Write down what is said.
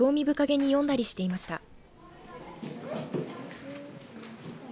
深げに読んだりしていました。